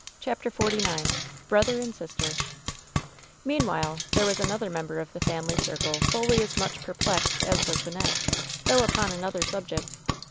CHAPTEK XLIX BBOTHEB Aia> SISTEB Meanwhile there was another member of the family circle fully as much perplexed as was Wynnette, though upon another subject.